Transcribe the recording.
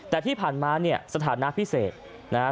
แต่ที่ผ่านมาเนี่ยสถานะพิเศษนะฮะ